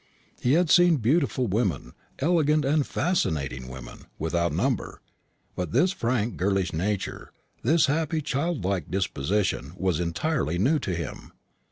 He had seen beautiful women, elegant and fascinating women, without number; but this frank girlish nature, this happy childlike disposition, was entirely new to him.